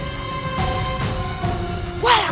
terima kasih banyak